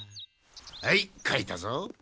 はい書いたぞ。